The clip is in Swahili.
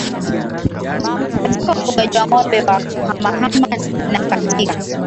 katika ufugaji wa ngombe wa kuhamahama na katika